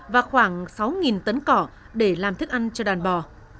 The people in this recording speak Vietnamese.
và khoảng sáu tấn cỏ để làm thức ăn cho đàn bò